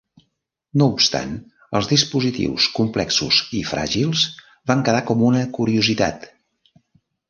No obstant, els dispositius, complexos i fràgils, van quedar com una curiositat.